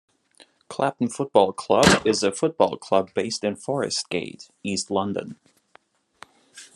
Clapton Football Club is a football club based in Forest Gate, East London.